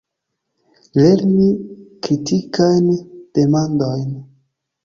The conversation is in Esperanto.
Lerni kritikajn demandojn.